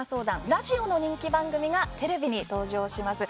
ラジオの人気番組がテレビに登場します。